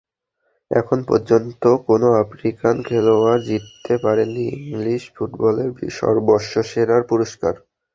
এখন পর্যন্ত কোনো আফ্রিকান খেলোয়াড় জিততে পারেননি ইংলিশ ফুটবলের বর্ষসেরার পুরস্কার।